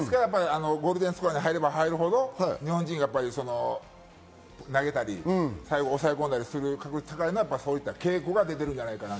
ですからゴールデンスコアに入れば入るほど日本人選手が投げたり押さえ込んだりする確率が高いのはそういう傾向が出てくるんじゃないかなと。